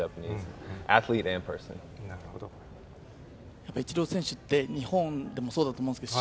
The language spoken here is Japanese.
やっぱイチロー選手って日本でもそうだと思うんですけど、